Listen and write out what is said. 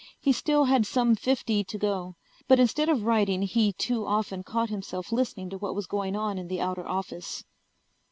He still had some fifty to go. But instead of writing he too often caught himself listening to what was going on in the outer office.